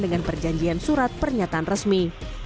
dengan perjanjian surat pernyataan resmi